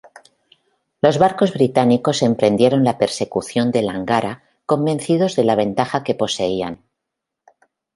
Los barcos británicos emprendieron la persecución de Lángara convencidos de la ventaja que poseían.